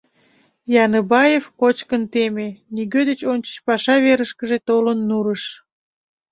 Яндыбаев кочкын теме, нигӧ деч ончыч паша верышкыже толын нурыш.